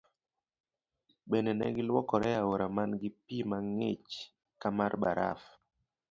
Bende negi luokore e aora man gi pii mang'ich ka mar baraf.